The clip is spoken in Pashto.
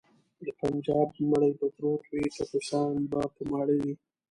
د بنجاب مړی به پروت وي ټپوسان به په ماړه وي.